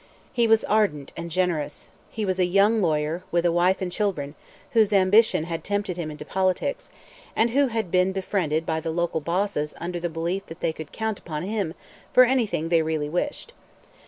He was ardent and generous; he was a young lawyer, with a wife and children, whose ambition had tempted him into politics, and who had been befriended by the local bosses under the belief that they could count upon him for anything they really wished.